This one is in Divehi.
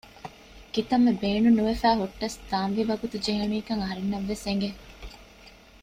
ކިތަންމެ ބޭނުން ނުވެފައި ހުއްޓަސް ދާން ވީ ވަގުތު ޖެހުނީކަން އަހަރެންނަށް ވެސް އެނގެ